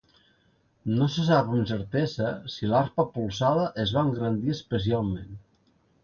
No se sap amb certesa si l'arpa polzada es va engrandir especialment.